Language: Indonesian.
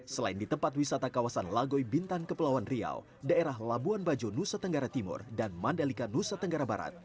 selain di tempat wisata kawasan lagoy bintan kepulauan riau daerah labuan bajo nusa tenggara timur dan mandalika nusa tenggara barat